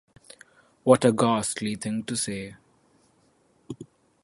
What a ghastly thing to say.